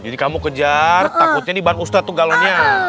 jadi kamu kejar takutnya nih ban ustadz tuh galonnya